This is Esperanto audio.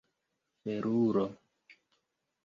felulo